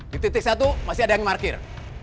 di titik satu masih ada yang parkir